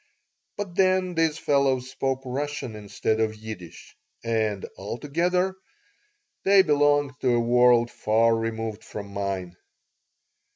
But then these fellows spoke Russian instead of Yiddish and altogether they belonged to a world far removed from mine.